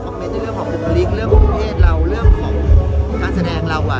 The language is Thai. คุณภรรริกเรื่องของรูปเทศเราเรื่องของการแสดงเรา